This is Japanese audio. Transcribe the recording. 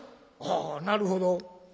「あなるほど」。